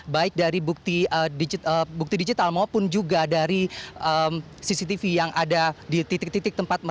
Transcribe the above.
baik dari bukti digital maupun juga dari cctv yang ada di titik titik tempat mereka